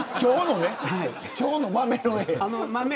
今日の豆の絵ね。